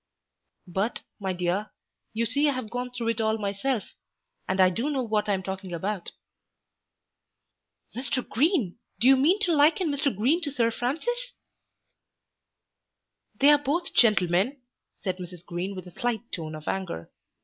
"But, my dear, you see I have gone through it all myself, and I do know what I am talking about." "Mr. Green ! Do you mean to liken Mr. Green to Sir Francis?" "They are both gentlemen," said Mrs. Green with a slight tone of anger.